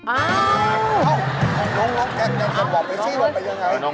อ้าวน้องแกจะบอกไปที่บอกไปยังไง